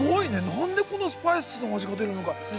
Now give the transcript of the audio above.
なんでスパイスの味が出るのか。